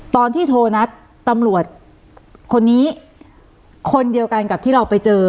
ตอนที่โทรนัดตำรวจคนนี้คนเดียวกันกับที่เราไปเจอ